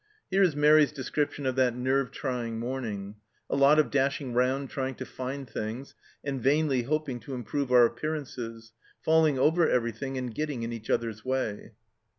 Here is Mairi's description of that nerve trying morning :" A lot of dashing round trying to find things, and vainly hoping to improve our appearances ; falling over everything, and getting in each other's way."